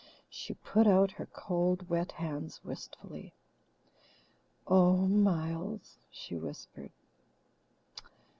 She put out her cold, wet hands wistfully. "Oh, Miles!" she whispered.